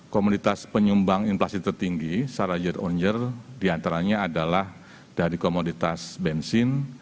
komoditas penyumbang inflasi tertinggi secara year on year diantaranya adalah dari komoditas bensin